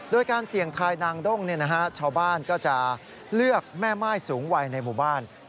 โดยการเสี่ยงทายนางด้งชาวบ้านก็จะเลือกแม่ม่ายสูงวัยในหมู่บ้าน